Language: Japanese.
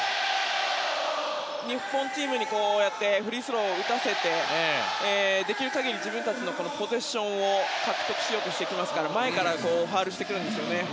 日本チームにフリースローを打たせてできる限り自分たちのポゼッションを獲得しようとしてきますから前からファウルしてくるんですよね。